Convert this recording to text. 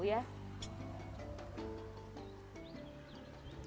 ini sudah jadi